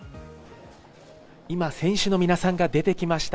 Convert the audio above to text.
今、選手の皆さんが出てきました。